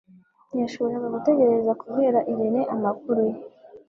Ntiyashoboraga gutegereza kubwira Irene amakuru ye